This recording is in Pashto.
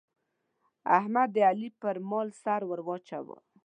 احمد د علي پر مال لاس واچاوو.